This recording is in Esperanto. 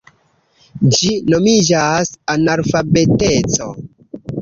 Ĝi nomiĝas analfabeteco.